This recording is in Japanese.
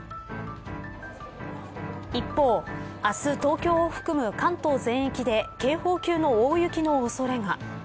一方、明日東京を含む関東全域で警報級の大雪の恐れが。